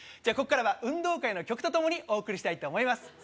こっからは運動会の曲と共にお送りしたいと思います